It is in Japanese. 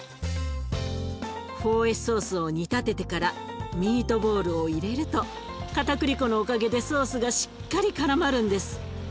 ４Ｓソースを煮立ててからミートボールを入れるとかたくり粉のおかげでソースがしっかりからまるんです。